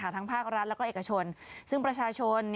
ทั้งภาครัฐแล้วก็เอกชนซึ่งประชาชน